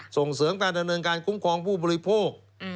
ส่งเสริมการดำเนินการคุ้มครองผู้บริโภค